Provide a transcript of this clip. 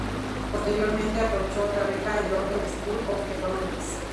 Posteriormente, aprovechó otra beca, en la London School of Economics.